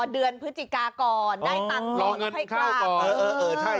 เดือนพฤศจิกายกรแล้วได้ตังค์ลองให้กล้าม